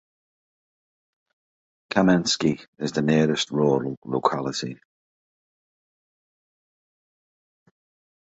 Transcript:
Kamensky is the nearest rural locality.